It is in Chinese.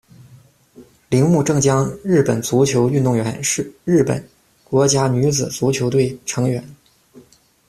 铃木政江，日本足球运动员，日本国家女子足球队成员。